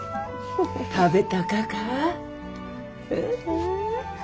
食べたかか？